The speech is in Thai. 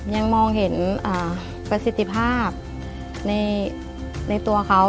ยังมองเห็นประสิทธิภาพในตัวเขา